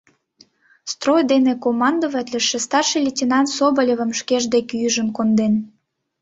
Строй дене командоватлыше старший лейтенант Соболевым шкеж дек ӱжын конден.